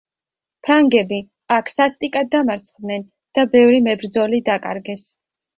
ფრანგები აქ სასტიკად დამარცხდნენ და ბევრი მებრძოლი დაკარგეს.